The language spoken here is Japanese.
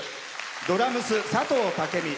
ドラムス、佐藤武美。